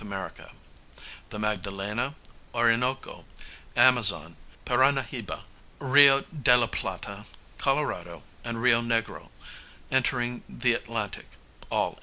America); the Magdalena, Orinoco, Amazon, Paranahiba, Rio de la Plata, Colorado, and Rio Negro, entering the Atlantic (all in S.